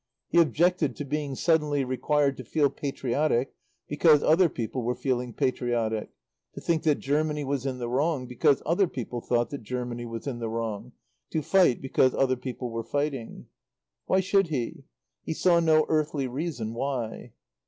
He objected to being suddenly required to feel patriotic because other people were feeling patriotic, to think that Germany was in the wrong because other people thought that Germany was in the wrong, to fight because other people were fighting. Why should he? He saw no earthly reason why.